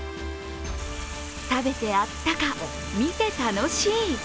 食べてあったか、見て楽しい。